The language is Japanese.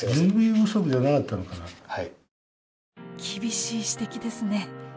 厳しい指摘ですね。